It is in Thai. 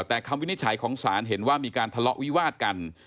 แต่คำวินิจฉัยของศาลเห็นว่ามีการทะเลาะวิวาดกัน